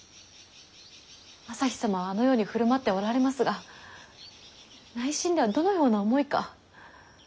旭様はあのように振る舞っておられますが内心ではどのような思いか。